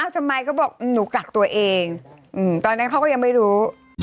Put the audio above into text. ทำไมเขาบอกหนูกักตัวเองตอนนั้นเขาก็ยังไม่รู้